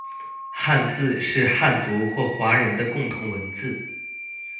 汉字是汉族或华人的共同文字